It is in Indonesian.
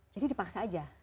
jadi dipaksa aja